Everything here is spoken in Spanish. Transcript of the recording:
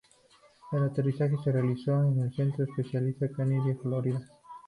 El aterrizaje se realizó en el Centro Espacial Kennedy, Florida.